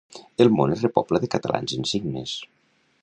El món es repobla de catalans insignes.